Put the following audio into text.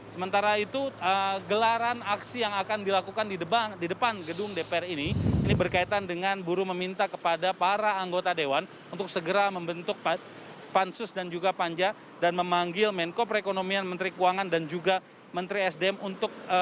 sementara itu gelaran aksi yang akan dilakukan di depan gedung dpr ini ini berkaitan dengan buruh meminta kepada para anggota dewan untuk segera membentuk pansus dan juga panja dan memanggil menko perekonomian menteri keuangan dan juga menteri sdm untuk